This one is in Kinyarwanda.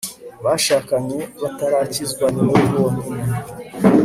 bashakanye batarakizwa ni bo bonyine